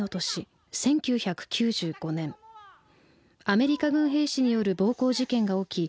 アメリカ軍兵士による暴行事件が起き